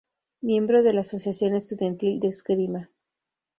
Miembro de la Asociación Estudiantil de Esgrima.